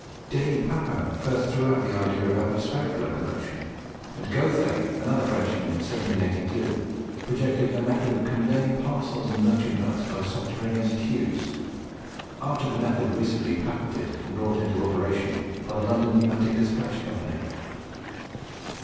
Denis Papin first threw out the idea of atmospheric locomotion; and Gauthey, another Frenchman, in 1782 projected a method of conveying parcels and merchandise by subterraneous tubes, after the method recently patented and brought into operation by the London Pneumatic Despatch Company.